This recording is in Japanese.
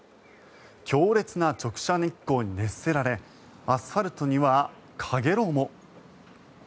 強烈な直射日光に熱せられアスファルトには、かげろうも。